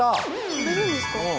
くれるんですか？